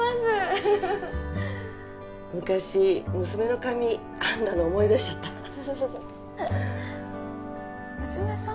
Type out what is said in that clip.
ウフフ昔娘の髪編んだの思い出しちゃったフフフフ娘さん？